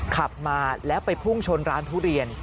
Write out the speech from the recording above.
ขับมาแล้วไปพุ่งชนร้านทุเรียน